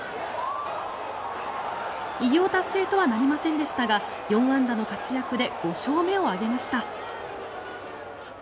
偉業達成とはなりませんでしたが４安打の活躍で５勝目を挙げました。